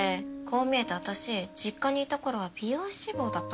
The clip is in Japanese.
こう見えて私実家にいた頃は美容師志望だったんだから。